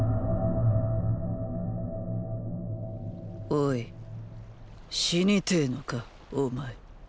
おい死にてぇのかお前。